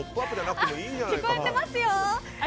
聞こえていますよ。